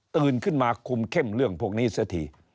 ตื่นขึ้นมาคุมเข้มเรื่องพวกนี้เสียที